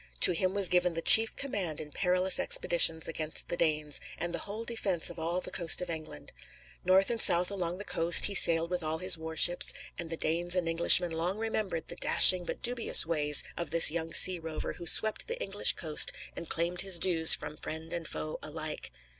To him was given the chief command in perilous expeditions against the Danes, and the whole defence of all the coast of England. North and south along the coast he sailed with all his warships, and the Danes and Englishmen long remembered the dashing but dubious ways of this young sea rover, who swept the English coast and claimed his dues from friend and foe alike.